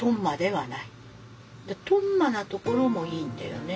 とんまなところもいいんだよね。